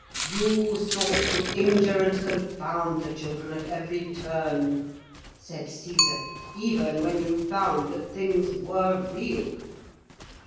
'You sought to injure and confound the children at every turn,' said Caesar, 'even when you found that things were real.'